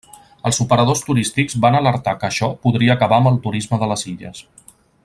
Els operadors turístics van alertar que això podria acabar amb el turisme de les illes.